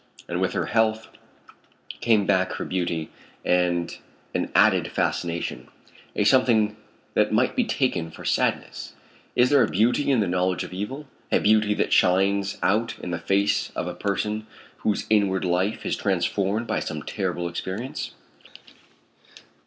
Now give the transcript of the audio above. And with her health came back her beauty, and an added fascination, a something that might be mistaken for sadness. Is there a beauty in the knowledge of evil, a beauty that shines out in the face of a person whose inward life is transformed by some terrible experience?